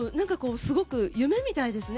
すごく夢みたいですね。